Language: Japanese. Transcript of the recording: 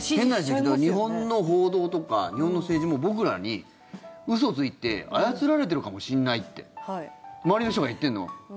変な話、日本の報道とか日本の政治も僕らに嘘ついて操られてるかもしれないって周りの人が言ってるの。